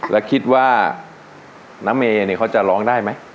แล้วคิดว่าน้าเมย์เนี่ยเขาจะร้องได้ไหม